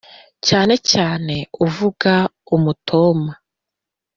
cyane cyane uvuge umutoma